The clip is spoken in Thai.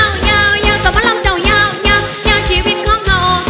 น้องฝาดินร้อง